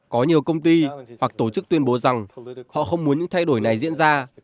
có nhiều công ty hoặc tổ chức tuyên bố rằng họ không muốn những thay đổi này diễn ra